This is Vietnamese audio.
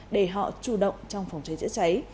để họ chủ động trong phòng cháy chữa cháy